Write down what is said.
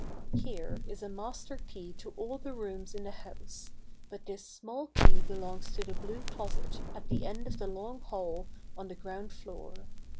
Here is a master key to all the rooms in the house, but this small key belongs to the Blue Closet, at the end of the long hall, on the ground floor.